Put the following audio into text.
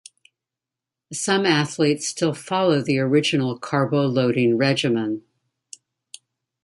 Some athletes still follow the original carbo-loading regimen.